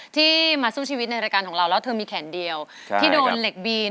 ที่มาสู้ชีวิตในรายการของเราแล้วเธอมีแขนเดียวที่โดนเหล็กบีน